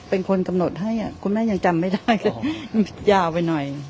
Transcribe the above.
เป็นคนคำหนดให้คุณแม่ยังจำไม่ได้